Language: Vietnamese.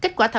kết quả thẩm